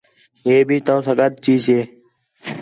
ہِے بھی تؤ ساں گݙ چیسے